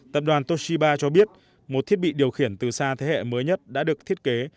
tập đoàn toshiba cho biết một thiết bị điều khiển từ xa thế hệ mới nhất đã được thiết kế